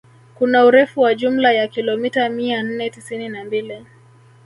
Kuna urefu wa jumla ya kilomita mia nne tisini na mbili